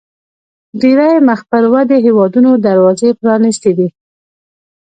ډېری مخ پر ودې هیوادونو دروازې پرانیستې دي.